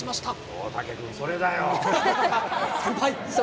大竹君、それだよ。